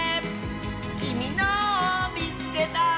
「きみのをみつけた！」